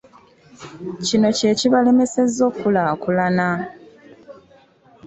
Kino kye kibalemesezza okukulaakulana.